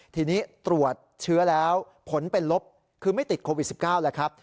ทีนี้ตรวจเชื้อแล้วผลเป็นลบคือไม่ติดโควิด๑๙แล้วครับ